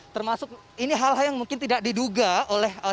termasuk ini hal hal yang mungkin tidak diduga oleh